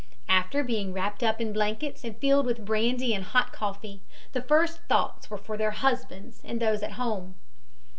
After being wrapped up in blankets and filled with brandy and hot coffee, the first thoughts were for their husbands and those at home.